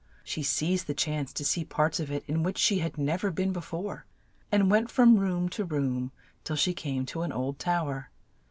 She seized the chance to see parts of it in which she had nev er been be fore, and went from room to room till she came to an old tow er.